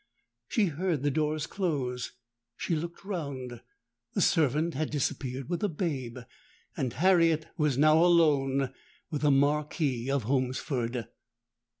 She heard the doors close: she looked round—the servant had disappeared with the babe;—and Harriet was now alone with the Marquis of Holmesford!